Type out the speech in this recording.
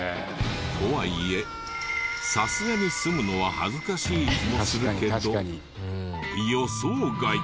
とはいえさすがに住むのは恥ずかしい気もするけど予想外。